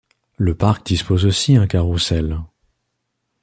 Le parc dispose aussi un carrousel.